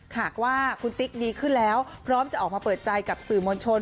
หากว่าคุณติ๊กดีขึ้นแล้วพร้อมจะออกมาเปิดใจกับสื่อมวลชน